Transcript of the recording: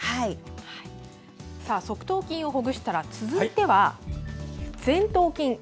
側頭筋をほぐしたら続いて、前頭筋。